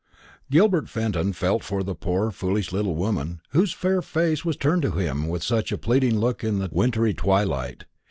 Gilbert Fenton felt for the poor foolish little woman, whose fair face was turned to him with such a pleading look in the wintry twilight.